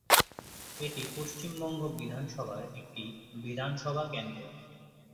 এটি পশ্চিমবঙ্গ বিধানসভার একটি বিধানসভা কেন্দ্র।